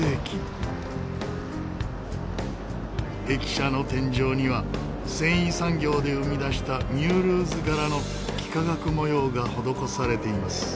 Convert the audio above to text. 駅舎の天井には繊維産業で生み出したミュールーズ柄の幾何学模様が施されています。